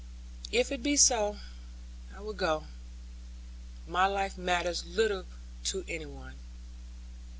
If it be so, I will go. My life matters little to any one.'